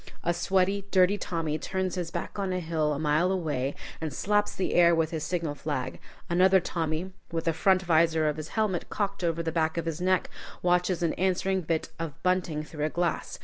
A sweating, dirty Tommy turns his back on a hill a mile away and slaps the air with his signal flag; another Tommy, with the front visor of his helmet cocked over the back of his neck, watches an answering bit of bunting through a glass.